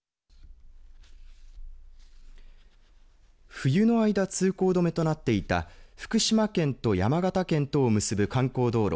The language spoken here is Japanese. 冬の間、通行止めとなっていた福島県と山形県とを結ぶ観光道路